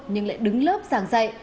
nhưng lại đứng lớp giảng dạy